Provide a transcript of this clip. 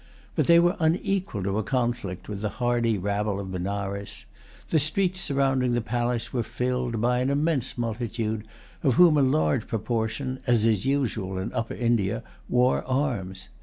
But they were unequal to a conflict with the hardy rabble of Benares. The streets surrounding the palace were filled by an immense multitude, of whom a large proportion, as is usual in Upper India, wore arms.